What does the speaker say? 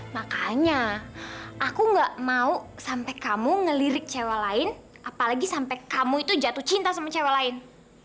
makanya aku gak mau sampai kamu ngelirik sewa lain apalagi sampai kamu itu jatuh cinta sama cewek lain